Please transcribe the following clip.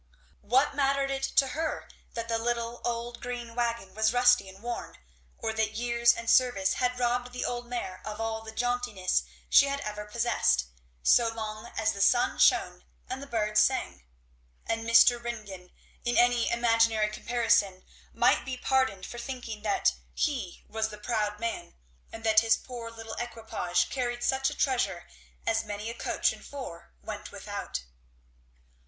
What mattered it to her that the little old green wagon was rusty and worn, or that years and service had robbed the old mare of all the jauntiness she had ever possessed, so long as the sun shone and the birds sang? And Mr. Ringgan, in any imaginary comparison, might be pardoned for thinking that he was the proud man, and that his poor little equipage carried such a treasure as many a coach and four went without.